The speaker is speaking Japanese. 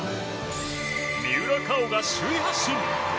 三浦佳生が首位発進。